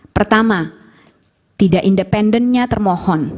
pertama tidak independennya termohon